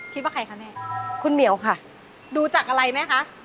คิดว่าใครคะแม่คุณเหมียวค่ะดูจากอะไรไหมคะ